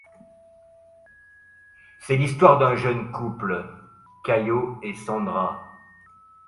C'est l'histoire d'un jeune couple, Caio and Sandra.